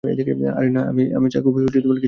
আরে না, আমি চা কফি কিছুই খাবো না।